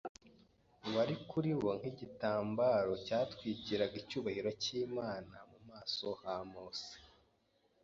wari kuri bo nk’igitambaro cyatwikiraga icyubahiro cy’Imana mu maso ha Mose.